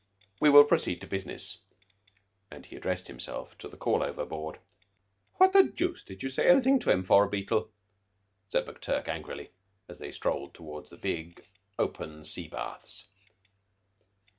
We will proceed to business," and he addressed himself to the call over board. "What the deuce did you say anything to him for, Beetle?" said McTurk angrily, as they strolled towards the big, open sea baths.